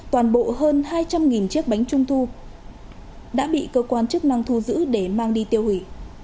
toàn bộ hơn hai trăm linh chiếc bánh trung thu đã bị cơ quan chức năng thu giữ để mang đi tiêu hủy